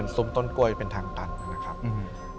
ซุ้มต้นกล้วยเป็นทางตันนะครับอืม